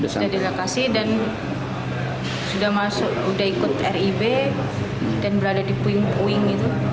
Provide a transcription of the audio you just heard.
sudah dilokasi dan sudah ikut rib dan berada di puing puing